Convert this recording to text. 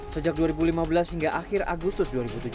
sejak dua ribu lima belas hingga akhir agustus dua ribu tujuh belas